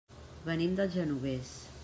Venim del Genovés.